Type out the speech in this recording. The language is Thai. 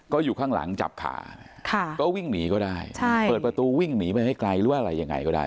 ก็อยู่ข้างหลังจับขาก็วิ่งหนีก็ได้เปิดประตูวิ่งหนีไปให้ไกลหรือว่าอะไรยังไงก็ได้